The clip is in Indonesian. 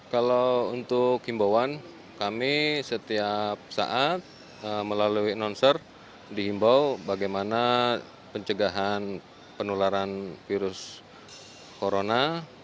kalau untuk himbauan kami setiap saat melalui nonser dihimbau bagaimana pencegahan penularan virus corona